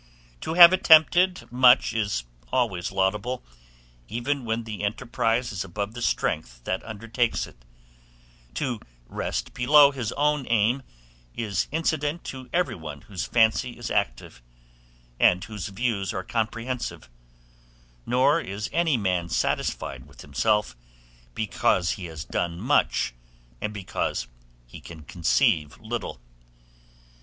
To have attempted much is always laudable, even when the enterprise is above the strength that undertakes it: to rest below his own aim is incident to every one whose fancy is active, and whose views are comprehensive; nor is any man satisfied with himself because he has done much, but because he can conceive little.